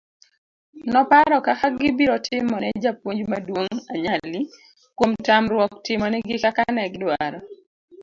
noparo kaka gibiro timone japuonj maduong' anyali kuom tamruok timo nigi kaka negidwaro